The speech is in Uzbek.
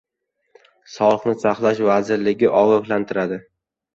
Sog‘liqni saqlash vazirligi ogohlantirildi